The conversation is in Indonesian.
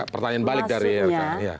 pertanyaan balik dari rkuhp